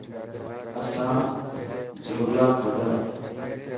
آسان جهولا کادا.